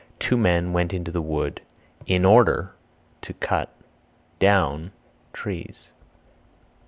Two men went into the wood (in order) to cut (down) trees.